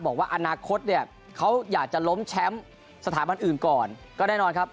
บอกว่าอนาคตเนี่ยเขาอยากจะล้มแชมป์สถาบันอื่นก่อนก็แน่นอนครับ